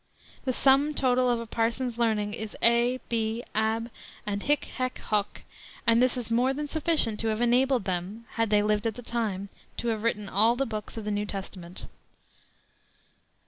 The sum total of a parson's learning is a b, ab, and hic, haec, hoc, and this is more than sufficient to have enabled them, had they lived at the time, to have written all the books of the New Testament."